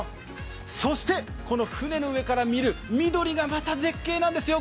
そしてこの舟の上から見る緑がまた絶景なんですよ。